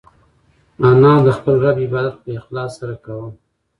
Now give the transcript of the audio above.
انا د خپل رب عبادت په اخلاص سره کاوه.